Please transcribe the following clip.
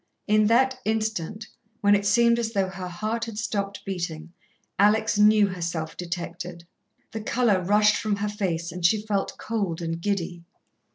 In that instant, when it seemed as though her heart had stopped beating, Alex knew herself detected. The colour rushed from her face and she felt cold and giddy.